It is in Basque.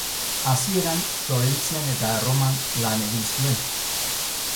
Hasieran, Florentzian eta Erroman lan egin zuen.